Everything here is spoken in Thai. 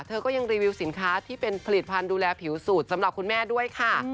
เธอก็ยังรีวิวสินค้าที่เป็นผลิตภัณฑ์ดูแลผิวสูตรสำหรับคุณแม่ด้วยค่ะ